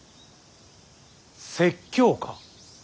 説教か。